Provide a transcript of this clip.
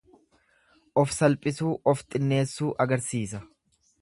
Of salphisuu, of xinneessuu agarsiisa.